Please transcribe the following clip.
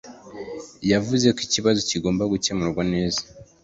Yavuze ko ikibazo kigomba gukemurwa neza